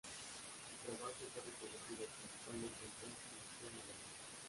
Su trabajo fue reconocido principalmente en Francia, Japón y Alemania.